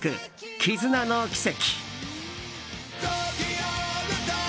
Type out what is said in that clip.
「絆ノ奇跡」。